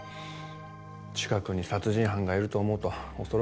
近くに殺人犯がいると思うと恐ろしくて。